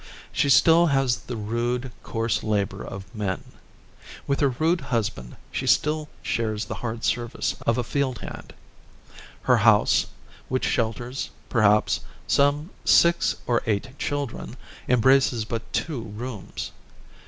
She has still the rude, coarse labor of men. With her rude husband she still shares the hard service of a field hand. Her house, which shelters, perhaps, some six or eight children, embraces but two rooms.